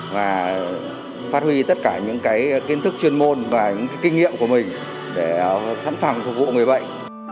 và phát huy tất cả những kiến thức chuyên môn và những kinh nghiệm của mình để sẵn sàng phục vụ người bệnh